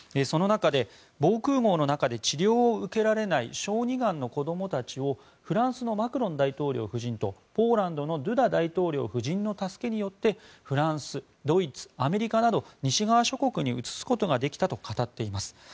その中で防空壕の中で治療を受けられない小児がんの子どもたちをフランスのマクロン大統領夫人とポーランドのドゥダ大統領夫人の助けによってフランス、ドイツ、アメリカなど西側諸国に移すことができたと語っています。